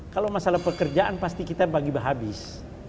kalau masalah pekerjaan pasti kita bagi bagi habis